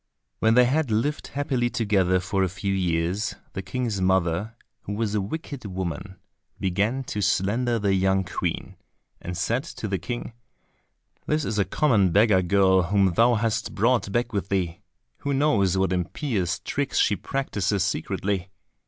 When they had lived happily together for a few years, the King's mother, who was a wicked woman, began to slander the young Queen, and said to the King, "This is a common beggar girl whom thou hast brought back with thee. Who knows what impious tricks she practises secretly!